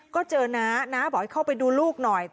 ก็เจอน้าน้าบอกให้เข้าไปดูลูกหน่อย